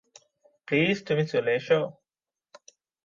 Please তুমি চলে এসো।